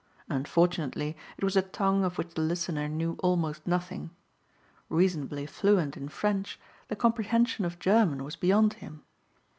Unfortunately it was a tongue of which the listener knew almost nothing. Reasonably fluent in French, the comprehension of German was beyond him.